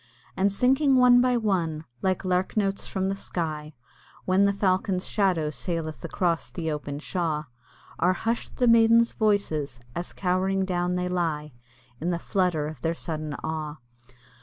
And sinking one by one, like lark notes from the sky When the falcon's shadow saileth across the open shaw, Are hush'd the maiden's voices, as cowering down they lie In the flutter of their sudden awe.